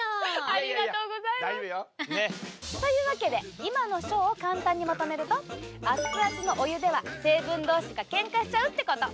ありがとうございます！というわけで今のショーを簡単にまとめると熱々のお湯では、成分同士がけんかしちゃうってこと。